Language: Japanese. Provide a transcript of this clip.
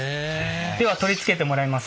では取り付けてもらいます。